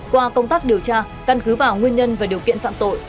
qua công tác điều tra căn cứ vào nguyên nhân và điều kiện phạm tội